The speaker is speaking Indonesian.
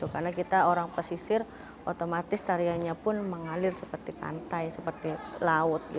karena kita orang pesisir otomatis tariannya pun mengalir seperti pantai seperti laut